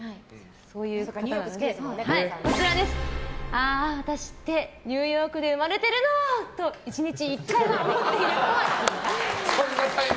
そういう方なのでああ、私ってニューヨークで生まれてるの！と１日１回は思っているっぽい。